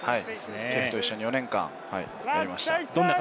ケフと一緒に４年間やりました。